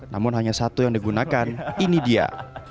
namun hanya satu yang digunakan ini dia